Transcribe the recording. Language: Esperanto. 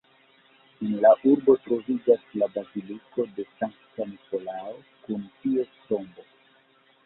En la urbo troviĝas la baziliko de Sankta Nikolao kun ties tombo.